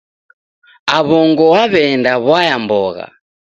Aw'ongo w'aw'eenda w'aya mbogha.